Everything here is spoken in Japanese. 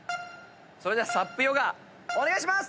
それではＳＵＰヨガお願いします！